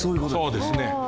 そうですね。